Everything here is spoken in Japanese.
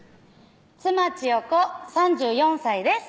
妻・千代子３４歳です